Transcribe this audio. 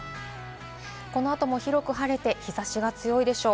この後も広く晴れて日差しが強いでしょう。